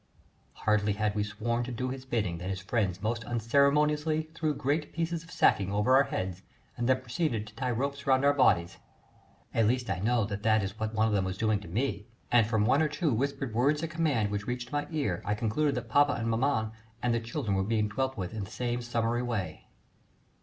Hardly had we sworn to do his bidding than his friends most unceremoniously threw great pieces of sacking over our heads and then proceeded to tie ropes round our bodies. At least I know that that is what one of them was doing to me, and from one or two whispered words of command which reached my ear I concluded that papa and maman and the children were being dealt with in the same summary way.